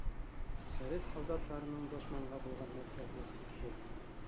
Совет һалдаттарының дошманға булған нәфрәте сикһеҙ.